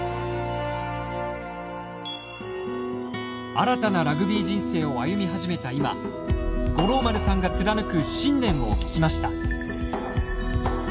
新たなラグビー人生を歩み始めた今五郎丸さんが貫く信念を聞きました。